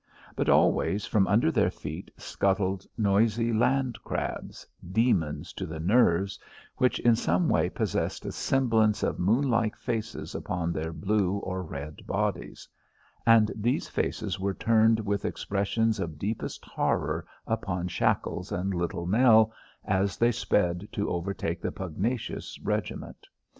But always from under their feet scuttled noisy land crabs, demons to the nerves, which in some way possessed a semblance of moon like faces upon their blue or red bodies, and these faces were turned with expressions of deepest horror upon Shackles and Little Nell as they sped to overtake the pugnacious regiment.